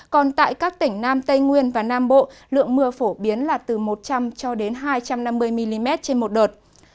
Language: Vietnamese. còn tại các tỉnh nam tây nguyên và nam bộ lượng mưa phổ biến là từ một trăm linh cho đến hai trăm năm mươi mm trên một đợt